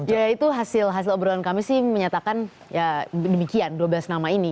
ya itu hasil hasil obrolan kami sih menyatakan ya demikian dua belas nama ini